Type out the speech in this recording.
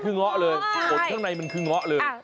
อุ่นข้างในมันคือง๋อเลย